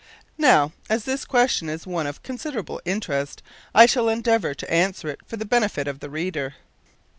Now, as this question is one of considerable interest, I shall endeavour to answer it for the benefit of the reader.